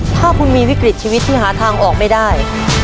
ถ้าคุณมีวิกฤตชีวิตที่หาทางออกไม่ได้